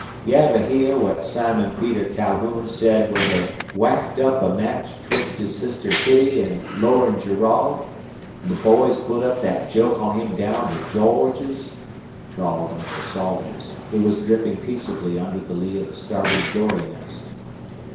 "Yever hear what Sim'on Peter Ca'houn said when they whacked up a match 'twix' his sister Hitty an' Lorin' Jerauld, an' the boys put up that joke on him daown to Georges?" drawled Uncle Salters, who was dripping peaceably under the lee of the starboard dory nest.